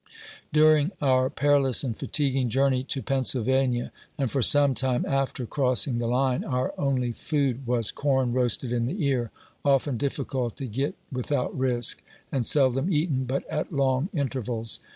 During our perilous and fatiguing journey to Pennsylva nia, and for some time after crossing the line, our only food was corn roasted in the ear, often difficult to get without risk, and seldom eaten but at long intervals.